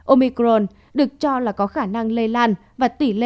omicron được cho là có khả năng lây lan và tỷ lệ